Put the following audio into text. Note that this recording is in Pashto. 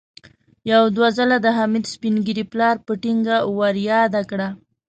يو دوه ځله د حميد سپين ږيري پلار په ټينګه ور ياده کړه.